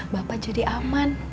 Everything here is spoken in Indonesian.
bapak jadi aman